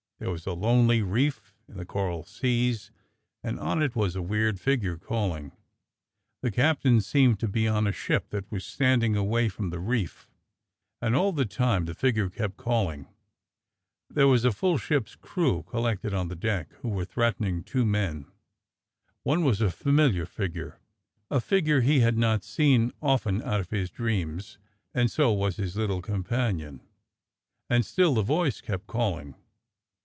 There was a lonely reef in the coral seas, and on it was a weird figure calling. The captain seemed to be on a ship that was standing away from the reef, and all the time the figure kept calling. There was a full ship's crew col lected on the deck who were threatening two men. One was a familiar figure, a figure he had not seen often out of his dreams, and so was his little companion, and still the voice kept calling.